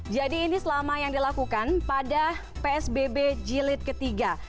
jadi ini selama yang dilakukan pada psbb jilid ketiga